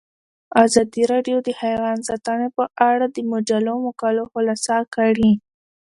ازادي راډیو د حیوان ساتنه په اړه د مجلو مقالو خلاصه کړې.